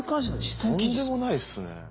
とんでもないですね。